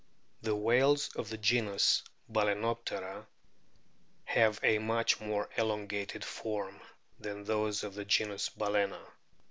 The whales of the genus Balcenpptera have a much more elono ated form than those of the o enus Balcena.